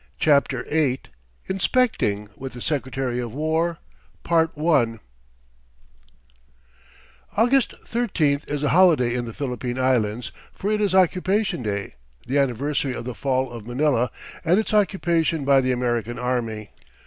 CHAPTER VIII INSPECTING WITH THE SECRETARY OF WAR August thirteenth is a holiday in the Philippine Islands, for it is "Occupation Day," the anniversary of the fall of Manila and its occupation by the American army.